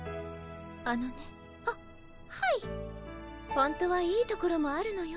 本当はいいところもあるのよ